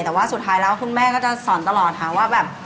แต่ว่าสุดท้ายแล้วคุณแม่ก็จะสอนตลอดค่ะว่าแบบ